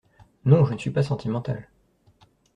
Non, je ne suis pas sentimental.